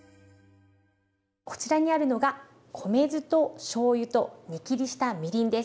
こちらにあるのが米酢としょうゆと煮きりしたみりんです。